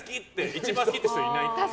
一番好き！って人はいない。